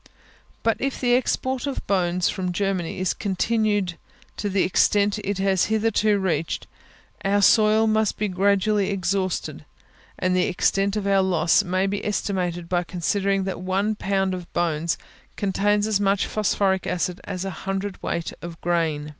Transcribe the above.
But if the export of bones from Germany is continued to the extent it has hitherto reached, our soil must be gradually exhausted, and the extent of our loss may be estimated, by considering that one pound of bones contains as much phosphoric acid as a hundred weight of grain.